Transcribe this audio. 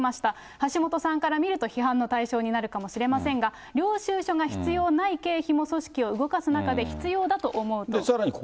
橋下さんから見ると批判の対象になるかもしれませんが、領収書が必要ない経費も、組織を動かす中で必要だと思うと。